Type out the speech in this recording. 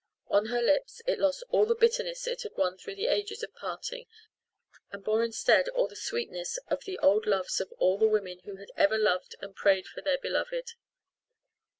On her lips it lost all the bitterness it had won through the ages of parting and bore instead all the sweetness of the old loves of all the women who had ever loved and prayed for the beloved.